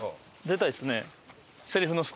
出たいですね。